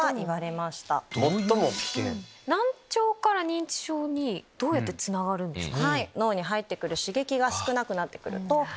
難聴から認知症にどうやってつながるんですか？